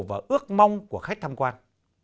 và ước mong của khách tham quan